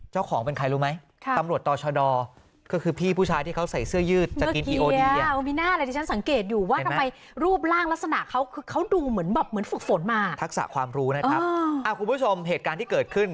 เหมือนบอกเหมือนฝึกฝนมาทักษะความรู้นะครับคุณผู้ชมเหตุการณ์ที่เกิดขึ้น